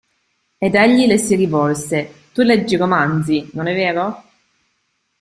Ed egli le si rivolse: – Tu leggi romanzi, non è vero?